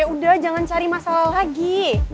ya udah jangan cari masalah lagi